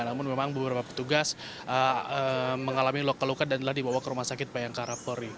namun memang beberapa petugas mengalami luka luka dan telah dibawa ke rumah sakit bayangkara polri